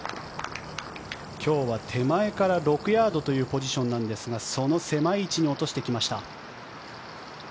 今日は手前から６ヤードというポジションなんですがその狭い位置に落としてきました。